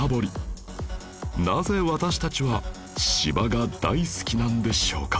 なぜ私たちは芝が大好きなんでしょうか？